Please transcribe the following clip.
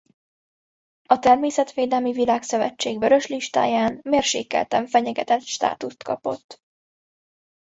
A Természetvédelmi Világszövetség Vörös listáján mérsékelten fenyegetett státuszt kapott.